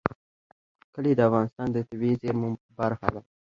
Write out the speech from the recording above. کلي د افغانستان د طبیعي زیرمو برخه ده.